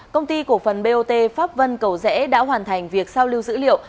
công ty cổ phần bot pháp vân cầu rẽ đã hoàn thành việc sao lưu dữ liệu